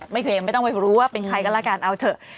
ยังไม่ต้องไปรู้ว่าเป็นใครก็แล้วกันเอาเถอะ